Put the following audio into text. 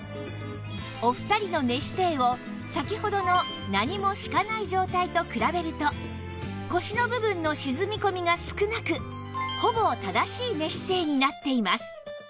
お二人の寝姿勢を先ほどの何も敷かない状態と比べると腰の部分の沈み込みが少なくほぼ正しい寝姿勢になっています